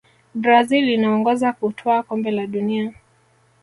brazil inaongoza kutwaa kombe la dunia